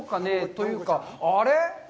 というか、あれ？